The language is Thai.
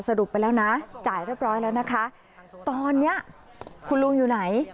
สรุปไปแล้วนะจ่ายเรียบร้อยแล้วนะคะตอนนี้คุณลุงอยู่ไหน